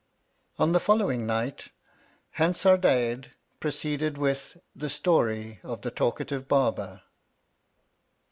ON the following night, Huusardadade pro ceeded with : THE STORY OF THE TALKATIVE BARBER.